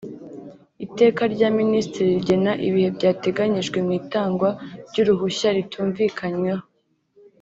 Iteka rya Minsitiri rigena ibihe byateganyijwe mu itangwa ry’uruhushya rutumvikanyweho